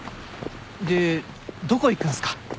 でどこ行くんすか？